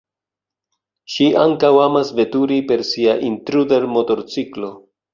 Ŝi ankaŭ amas veturi per sia Intruder-motorciklo.